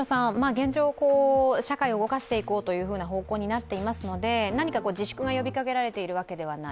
現状、社会を動かしていこうという方向になっていますので、何か自粛が呼びかけられているわけではない。